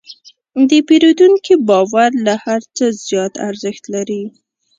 د پیرودونکي باور له هر څه زیات ارزښت لري.